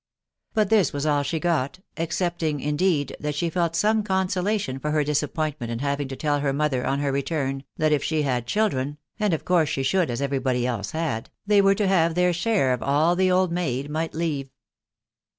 But this wag all she got ... excepting, indeed, that she felt some consolation for her disappointment \ti Yiviv&% \» \£\>&£fc mother, on her return, that if the ha&cYiWtore^^A^A M THB WIDOW BABNABY. aha should, as every bowj else had,) they were to have their share of all the old maid might leave.